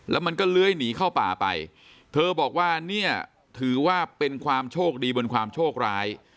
แล้วมันก็เลื้อยหนีเข้าป่าไปเธอบอกว่าเนี่ยถือว่าเป็นความโชคดีบนความโชคร้าย